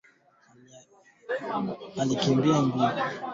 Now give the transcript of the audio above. alikabiliwa na maswali kwa saa kadhaa kutoka kwa wanachama wa